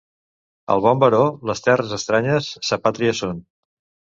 Al bon baró, les terres estranyes sa pàtria són.